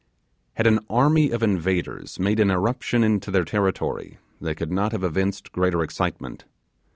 Had an army of invaders made an irruption into their territory they could not have evinced greater excitement.